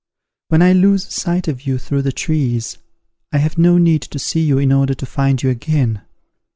When I lose sight of you through the trees, I have no need to see you in order to find you again.